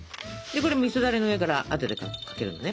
みそだれの上からあとでかけるのね。